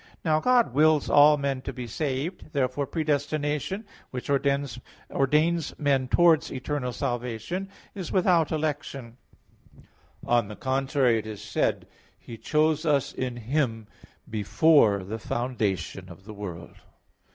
Now God "wills all men to be saved" (1 Tim. 2:4). Therefore, predestination which ordains men towards eternal salvation, is without election. On the contrary, It is said (Eph. 1:4): "He chose us in Him before the foundation of the world."